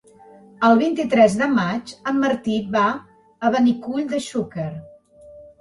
El vint-i-tres de maig en Martí va a Benicull de Xúquer.